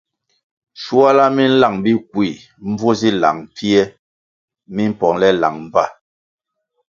Shuala mi nlang Bikui mbvu zi lang pfie mimpongʼle lang mba.